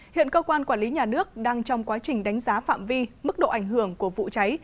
hiện cơ quan quản lý nhà nước đang trong quá trình đánh giá phạm vi mức độ ảnh hưởng của vụ cháy